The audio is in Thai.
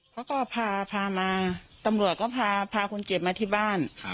เขาก็พาพามาตำรวจก็พาคนเจ็บมาที่บ้าน